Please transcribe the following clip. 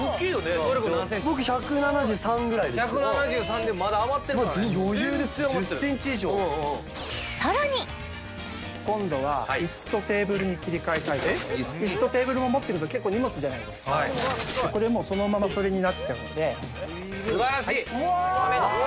身長僕１７３ぐらいです１７３でまだ余ってるからね余裕ですよ１０センチ以上今度は椅子とテーブルも持ってると結構荷物じゃないですかこれもうそのままそれになっちゃうのですばらしい！